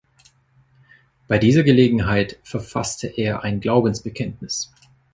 Bei dieser Gelegenheit verfasste er ein „Glaubensbekenntnis“.